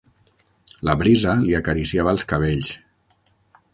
La brisa li acariciava els cabells.